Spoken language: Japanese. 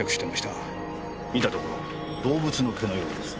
見たところ動物の毛のようです。